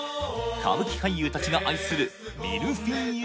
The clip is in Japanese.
歌舞伎俳優達が愛するミルフィーユ